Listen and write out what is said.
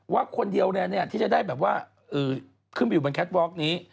ว่าคนเดียวที่จะได้แบบว่าขึ้นไปอยู่บนแคทวอล์กนี้